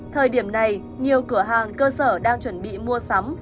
thời điểm này nhiều cửa hàng cơ sở đang chuẩn bị mua sắm